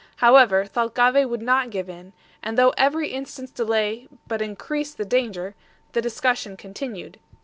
However, Thalcave would not give in, and though every instant's delay but increased the danger, the discussion continued.